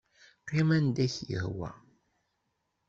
Qqim anda i k-yehwa.